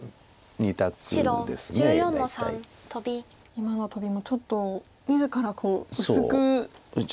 今のトビもちょっと自ら薄く。